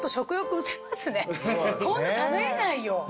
こんな食べれないよ。